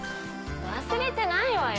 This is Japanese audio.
「忘れてないわよ。